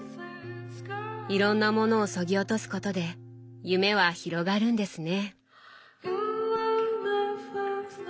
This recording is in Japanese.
いろんなものをそぎ落とすことで夢は広がるんですね。